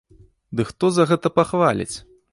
Ды хто за гэта пахваліць?!